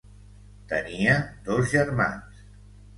Tenia dos germans.